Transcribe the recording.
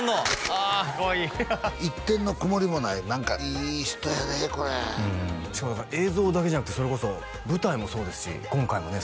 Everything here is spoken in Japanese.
あかわいい一点の曇りもない何かいい人やでこれしかも映像だけじゃなくてそれこそ舞台もそうですし今回もね